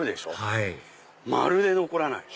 はいまるで残らない。